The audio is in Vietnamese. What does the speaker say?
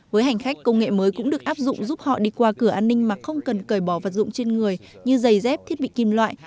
với hành khách công nghệ mới cũng được áp dụng giúp họ đi qua cửa an ninh mà không cần cởi bỏ vật dụng trên người như giày dép thiết bị kim loại